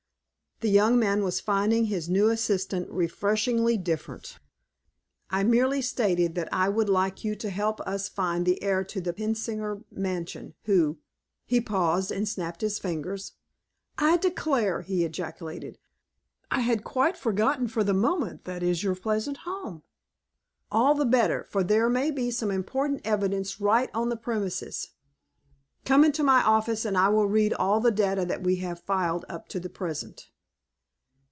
The young man was finding his new assistant refreshingly different. "I merely stated that I would like you to help us find the heir to the Pensinger Mansion, who " he paused and snapped his fingers. "I declare," he ejaculated, "I had quite forgotten for the moment that is your present home. All the better, for there may be some important evidence right on the premises. Come into my office and I will read all the data that we have filed up to the present."